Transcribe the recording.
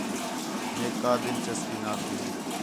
میک کا دلچسپی نا تھے